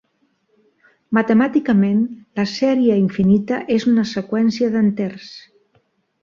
Matemàticament, la sèrie infinita és una seqüència d'enters.